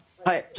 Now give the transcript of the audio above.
はい。